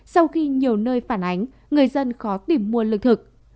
sau khi nhiều nơi phản ánh người dân khó tìm mua lương thực